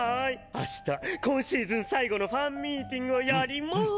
明日今シーズン最後のファンミーティングをやります！